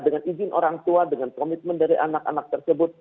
dengan izin orang tua dengan komitmen dari anak anak tersebut